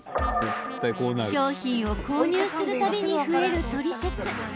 商品を購入する度に増えるトリセツ。